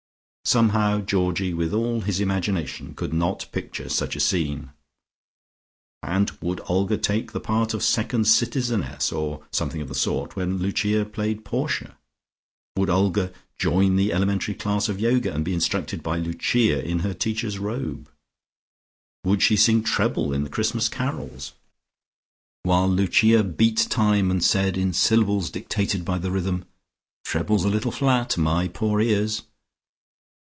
Somehow Georgie, with all his imagination, could not picture such a scene. And would Olga take the part of second citizenness or something of the sort when Lucia played Portia? Would Olga join the elementary class of Yoga, and be instructed by Lucia in her Teacher's Robe? Would she sing treble in the Christmas Carols, while Lucia beat time, and said in syllables dictated by the rhythm, "Trebles a little flat! My poor ears!"?